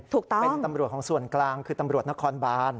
ถูกต้องเป็นตำรวจของส่วนกลางคือตำรวจนครบาน